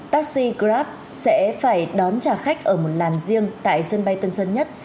taxi grab sẽ phải đón trả khách ở một làn riêng tại sân bay tân sơn nhất